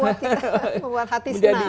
membuat hati senang